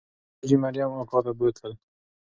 دوی حاجي مریم اکا ته بوتلل.